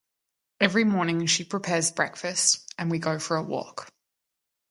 Every morning she prepares breakfast, and we go for a walk.